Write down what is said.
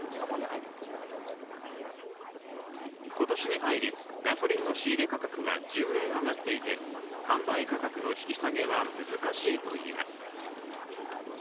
今年に入り、ガソリンの仕入れ価格は１０円上がっていて販売価格の引き下げは難しいといいます。